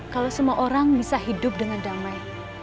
kalau semua orang bisa hidup dengan damai